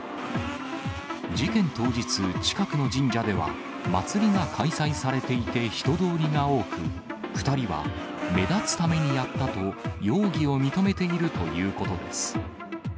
事件当日、近くの神社では祭りが開催されていて人通りが多く、２人は目立つためにやったと容疑を認めているということです。